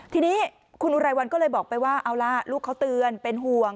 ทีนี้คุณอุไรวันก็เลยบอกไปว่าเอาล่ะลูกเขาเตือนเป็นห่วง